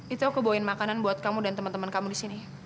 itu aku bawain makanan buat kamu dan temen temen kamu disini